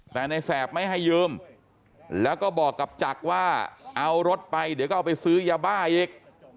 แต่ในแสบไม่ให้ยืมแล้วก็บอกกับจักรว่าเอารถไปเดี๋ยวก็เอาไปซื้อยาบ้าอีก